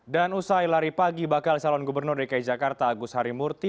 dan usai lari pagi bakal calon gubernur dki jakarta agus harimurti